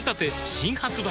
新発売